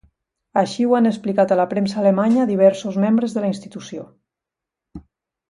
Així ho han explicat a la premsa alemanya diversos membres de la institució.